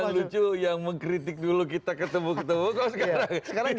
dan yang lucu yang mengkritik dulu kita ketemu ketemu kok sekarang